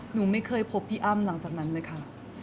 หนูไม่เคยพบพี่อ้ำหลังจากนั้นเลยค่ะ